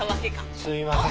すいません。